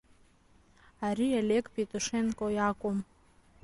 Ари Олег Петушенко иакәын.